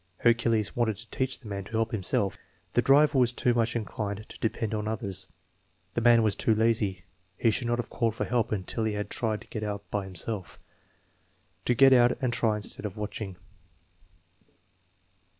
" Hercules wanted to teach the man to help himself." "The driver was too much inclined to depend on others." "The man was too lazy. He should not have called for help until he had 294 THE MEASURE:VTENT OF INTELLIGENCE tried to get out by himself." "To get out and try instead of matching.'